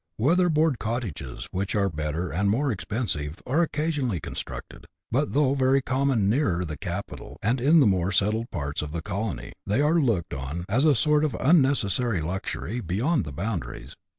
Weather board cottages, which are better and more expensive, are occasionally constructed : but though very common nearer the capital, and in the more settled parts of the colony, they are looked on as a sort of unnecessary luxury, beyond the boundaries.